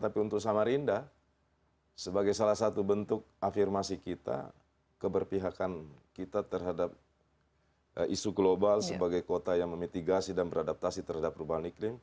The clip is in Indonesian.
tapi untuk samarinda sebagai salah satu bentuk afirmasi kita keberpihakan kita terhadap isu global sebagai kota yang memitigasi dan beradaptasi terhadap perubahan iklim